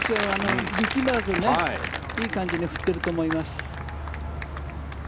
力まずいい感じで振ってると思います。